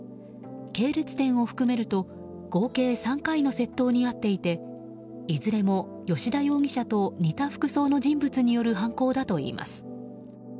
系列店を含めると合計３回の窃盗に遭っていていずれも吉田容疑者と似た服装の人物による犯行だといいます。